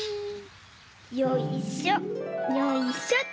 よいしょよいしょ。